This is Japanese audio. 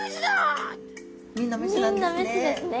みんなメスなんですね。